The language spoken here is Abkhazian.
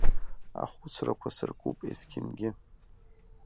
Ахәыцрақәа сыркуп есқьынгьы.